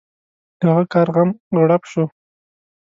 د هغه کار غم غړپ شو.